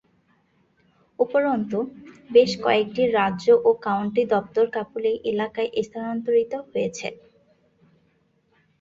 উপরন্তু, বেশ কয়েকটি রাজ্য ও কাউন্টি দপ্তর কাপোলেই এলাকায় স্থানান্তরিত হয়েছে।